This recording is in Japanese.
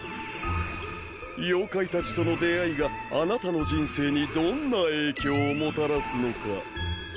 妖怪たちとの出会いがあなたの人生にどんな影響をもたらすのか。